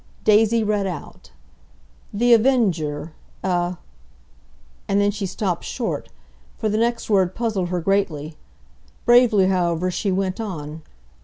Daisy read out: "THE AVENGER: A—" And then she stopped short, for the next word puzzled her greatly. Bravely, however, she went on.